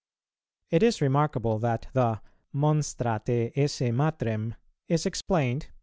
It is remarkable that the "Monstra te esse Matrem" is explained, p.